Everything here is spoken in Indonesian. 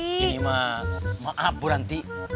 ini mah maaf buranti